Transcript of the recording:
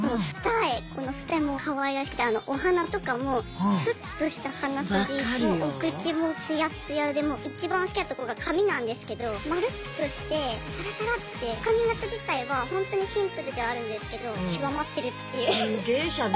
この二重もかわいらしくてお鼻とかもスッとした鼻筋もお口も艶々で一番好きなとこが髪なんですけど丸っとしてサラサラッて髪形自体はほんとにシンプルではあるんですけど極まってるっていう。